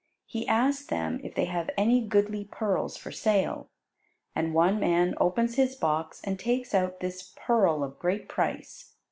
He asks them if they have any goodly pearls for sale, and one man opens his box and takes out this "pearl of great price."